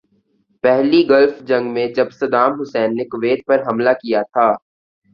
پہلی گلف جنگ میں جب صدام حسین نے کویت پہ حملہ کیا تھا۔